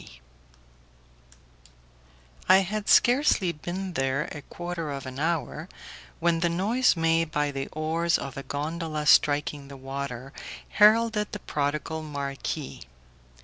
I had scarcely been there a quarter of an hour when the noise made by the oars of a gondola striking the water heralded the prodigal marquis.